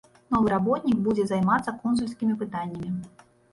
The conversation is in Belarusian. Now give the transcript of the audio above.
Новы работнік будзе займацца консульскімі пытаннямі.